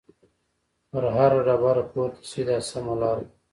په هره ډبره پورته شئ دا سمه لار ده.